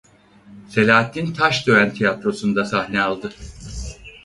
Selahattin Taşdöğen Tiyatrosunda sahne aldı.